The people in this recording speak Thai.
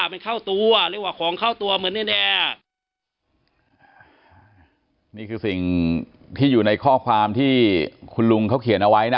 มันเข้าตัวเรียกว่าของเข้าตัวเหมือนแน่แน่นี่คือสิ่งที่อยู่ในข้อความที่คุณลุงเขาเขียนเอาไว้นะ